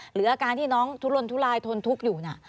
หรืออาการที่น้องทุลนทุลายทนทุกข์อยู่น่ะ